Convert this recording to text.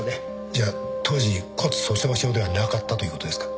じゃあ当時骨粗しょう症ではなかったということですか？